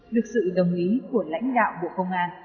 được sự đồng ý của lãnh đạo bộ công an